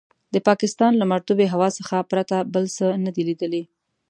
د پاکستان له مرطوبې هوا څخه پرته بل څه نه دي لیدلي.